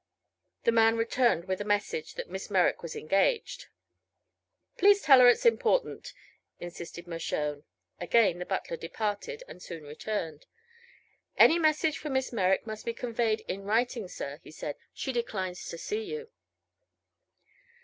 The man returned with a message that Miss Merrick was engaged. "Please tell her it is important," insisted Mershone. Again the butler departed, and soon returned. "Any message for Miss Merrick must be conveyed in writing, sir," he said, "She declines to see you."